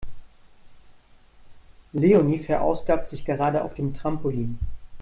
Leonie verausgabt sich gerade auf dem Trampolin.